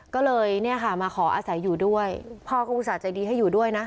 ก็เลยเนี่ยค่ะมาขออาศัยอยู่ด้วยพ่อก็อุตส่าหใจดีให้อยู่ด้วยนะ